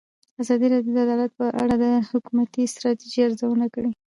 ازادي راډیو د عدالت په اړه د حکومتي ستراتیژۍ ارزونه کړې.